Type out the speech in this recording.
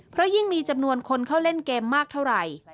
เพราะยิ่งมีจำนวนคนเข้าเล่นเกมมากเท่าไหร่